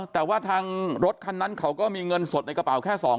แต่ว่าทางรถคันนั้นเขาก็มีเงินสดในกระเป๋าแค่๒๐๐